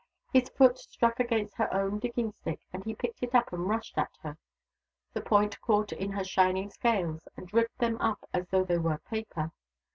His foot struck against her own digging stick, and he picked it up and rushed at her. The point caught in her shining scales, and ripped them up as though they were paper.